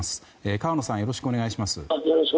河野さんよろしくお願いします。